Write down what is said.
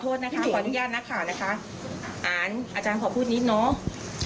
ขอโทษนะครับขออนุญาตนะครับอาหารอาจารย์ขอพูดนิดเนอะ